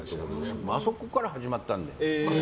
あそこから始まったので。